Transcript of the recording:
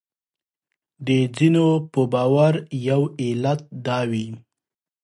د ځینو په باور یو علت دا وي.